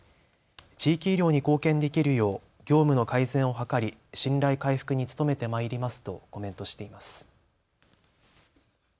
地域医療に貢献できるよう業務の改善を図り、信頼回復に努めてまいりますとコメントしています。